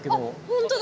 本当だ。